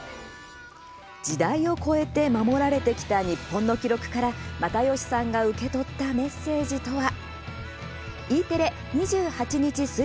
時代を超えて守られてきた日本の記録から又吉さんが受け取ったメッセージとは。